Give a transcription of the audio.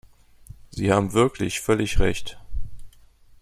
Sie haben wirklich völlig Recht.